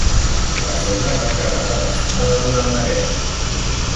La zona va quedar devastada durant la guerra.